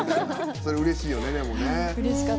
それうれしいよね、でもね。